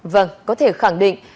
vâng có thể khẳng định